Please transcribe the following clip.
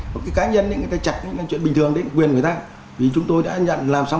cái cá nhân những cái chặt những chuyện bình thường đấy quyền người ta thì chúng tôi đã nhận làm xong